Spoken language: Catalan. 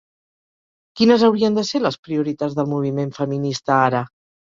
Quines haurien de ser les prioritats del moviment feminista ara?